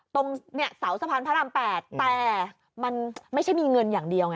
ตรงเนี่ยเสาสะพานพระราม๘แต่มันไม่ใช่มีเงินอย่างเดียวไง